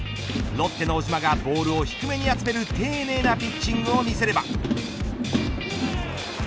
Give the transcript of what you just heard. ロッテの小島がボールを低めに集める丁寧なピッチングを見せれば。